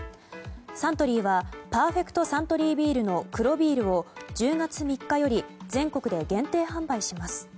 サントリーはパーフェクトサントリービールの黒ビールを１０月３日より全国で限定販売します。